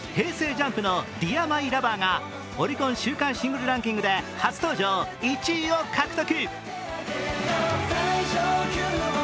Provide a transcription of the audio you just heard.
ＪＵＭＰの「ＤＥＡＲＭＹＬＯＶＥＲ」がオリコン週間シングルランキングで初登場１位を獲得。